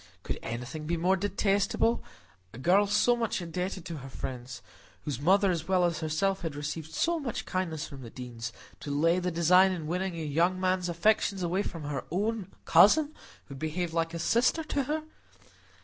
Could anything be more detestable? A girl so much indebted to her friends—whose mother as well as herself had received so much kindness from the Deanes—to lay the design of winning a young man's affections away from her own cousin, who had behaved like a sister to her!